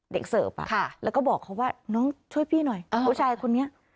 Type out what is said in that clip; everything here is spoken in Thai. เสิร์ฟแล้วก็บอกเขาว่าน้องช่วยพี่หน่อยผู้ชายคนนี้